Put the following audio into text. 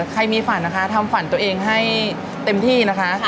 ใครมีฝันนะคะทำฝันตัวเองให้เต็มที่นะคะ